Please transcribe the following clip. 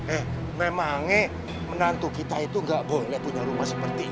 eh memang menantu kita itu nggak boleh punya rumah seperti ini